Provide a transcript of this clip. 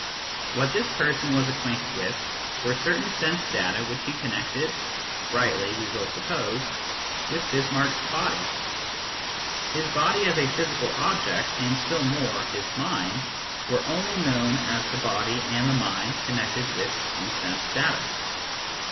What this person was acquainted with were certain sense data which he connected (rightly, we will suppose) with Bismarck s body. jpHis body as a physical object, and still more his mind, were only known as the body and the mind connected with these sense data.